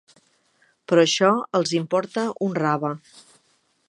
Però això els importa un rave.